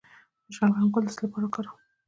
د شلغم ګل د څه لپاره وکاروم؟